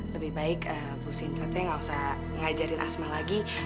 lebih baik bu sinta teh nggak usah ngajarin asma lagi